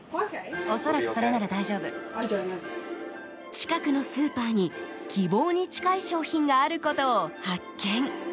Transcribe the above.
近くのスーパーに希望に近い商品があることを発見。